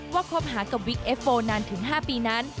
คบหากับวิกเอฟโฟนานถึง๕ปีนั้น